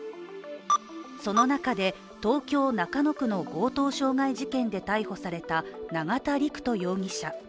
その中で、東京・中野区の強盗傷害事件で逮捕された永田陸人容疑者。